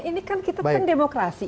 ini kan kita kan demokrasi